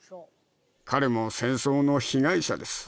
彼も戦争の被害者です